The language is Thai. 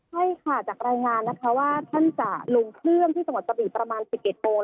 ใช่ค่ะจากรายงานนะคะว่าท่านจะลงพื้นที่สงสัตวิตประมาณสิบเก็ตโปร